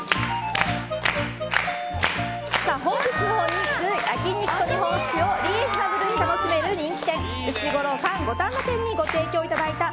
本日のお肉、焼き肉と日本酒をリーズナブルに楽しめる人気店うしごろ貫五反田店にご提供いただきました